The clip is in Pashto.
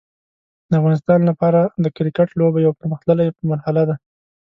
د افغانستان لپاره د کرکټ لوبه یو پرمختللی مرحله ده.